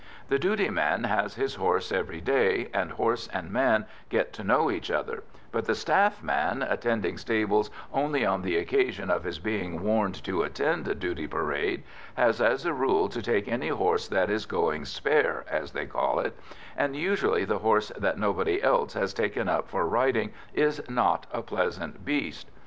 The duty man has his horse every day, and horse and man get to know each other, but the staff man, attending stables only on the occasion of his being warned to attend a duty parade, has as a rule to take any horse that is "going spare," as they call it, and usually the horse that nobody else has taken up for riding is not a pleasant beast.